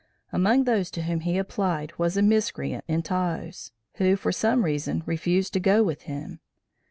Among those to whom he applied was a miscreant in Taos, who, for some reason, refused to go with him.